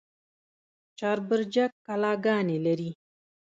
چهار برجک کلاګانې لري؟